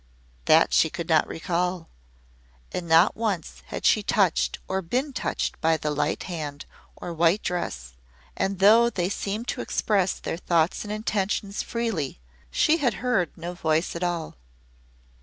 That she could not recall and not once had she touched or been touched by the light hand or white dress and though they seemed to express their thoughts and intentions freely she had heard no voice at all.